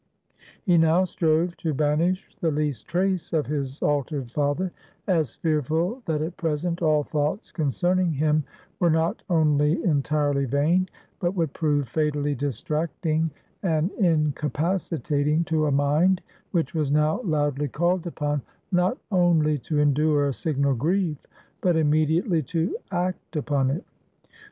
He now strove to banish the least trace of his altered father, as fearful that at present all thoughts concerning him were not only entirely vain, but would prove fatally distracting and incapacitating to a mind, which was now loudly called upon, not only to endure a signal grief, but immediately to act upon it.